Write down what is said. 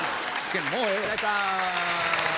もうええわ。